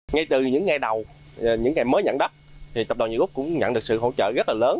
ngay từ những ngày đầu những ngày mới nhận đất thì tập đoàn úc cũng nhận được sự hỗ trợ rất là lớn